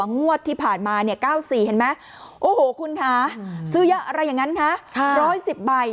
งวดที่ผ่านมาเนี่ย๙๔เห็นไหมโอ้โหคุณคะซื้อเยอะอะไรอย่างนั้นคะ๑๑๐ใบ